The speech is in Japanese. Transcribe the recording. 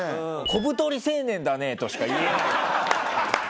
「小太り青年だね！」としか言えないもんね。